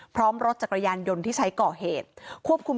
พร้อมรถจากรยานยนต์ที่ใช้เกาะเหตุ